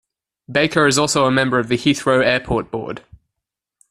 Baker is also a member of the Heathrow Airport board.